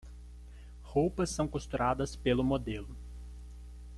Roupas são costuradas pelo modelo